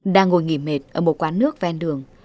đang ngồi nghỉ mệt ở một quán nước ven đường